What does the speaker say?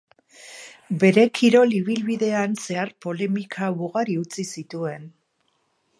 Bere kirol ibilbidean zehar polemika ugari utzi zituen.